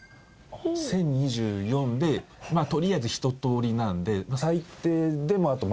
１０２４でとりあえずひととおりなんで。